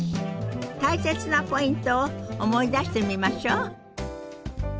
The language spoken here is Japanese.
大切なポイントを思い出してみましょう。